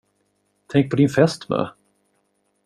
Tänk på din fästmö!